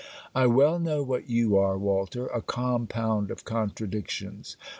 I well know what you are, Walter: a compound of contradictions.